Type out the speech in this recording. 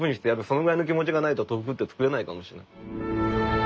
そのぐらいの気持ちがないと豆腐って作れないかもしれない。